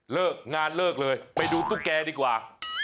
เลิกงานเลิกเลยไปดูตุ๊กแกดีกว่า